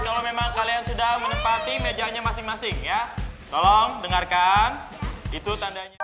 kalau memang kalian sudah menempati mejanya masing masing ya tolong dengarkan itu tandanya